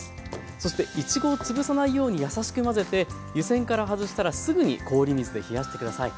そしていちごをつぶさないようにやさしく混ぜて湯煎から外したらすぐに氷水で冷やして下さい。